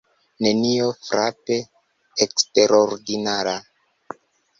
Nenio frape eksterordinara.